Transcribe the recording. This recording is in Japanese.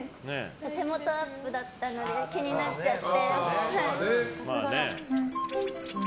お手元アップだったので気になっちゃって。